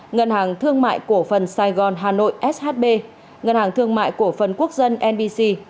ngân hàng thương mại cổ phần sài gòn hà nội shb ngân hàng thương mại cổ phần quốc dân nbc